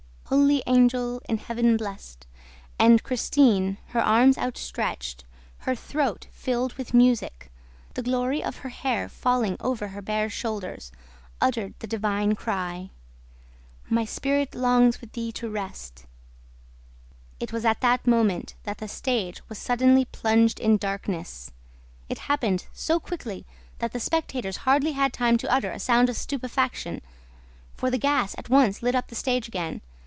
"Holy angel, in Heaven blessed ..." And Christine, her arms outstretched, her throat filled with music, the glory of her hair falling over her bare shoulders, uttered the divine cry: "My spirit longs with thee to rest!" It was at that moment that the stage was suddenly plunged in darkness. It happened so quickly that the spectators hardly had time to utter a sound of stupefaction, for the gas at once lit up the stage again.